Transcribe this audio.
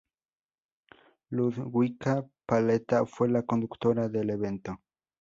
Ludwika Paleta fue la conductora del evento.